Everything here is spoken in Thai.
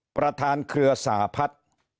ประทานเครือสหภัฐ